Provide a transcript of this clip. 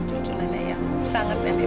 cewek cewek themes yang gila itu sama mama